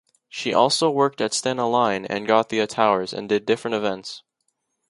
She also worked at Stena Line and Gothia towers and did different events.